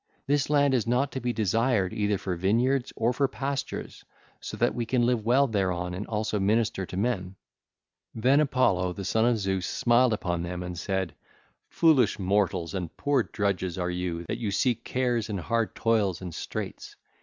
This land is not to be desired either for vineyards or for pastures so that we can live well thereon and also minister to men.' (ll. 531 544) Then Apollo, the son of Zeus, smiled upon them and said: 'Foolish mortals and poor drudges are you, that you seek cares and hard toils and straits!